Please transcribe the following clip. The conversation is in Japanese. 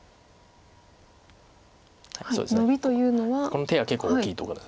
この手が結構大きいとこで。